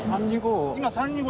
３−２−５？